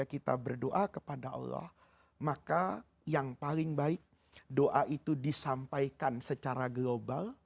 ketika kita berdoa kepada allah maka yang paling baik doa itu disampaikan secara global